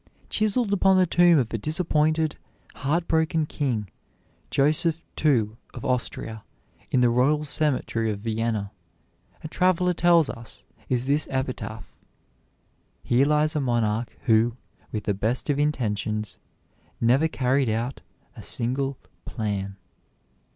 Chiseled upon the tomb of a disappointed, heart broken king, Joseph II. of Austria, in the Royal Cemetery at Vienna, a traveler tells us, is this epitaph: "Here lies a monarch who, with the best of intentions, never carried out a single plan."